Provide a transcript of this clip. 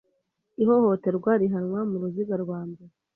Ihohoterwa rihanwa mu ruziga rwa mbere